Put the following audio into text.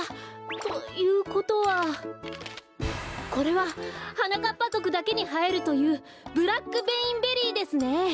ということはこれははなかっぱぞくだけにはえるというブラック・ベインベリーですね！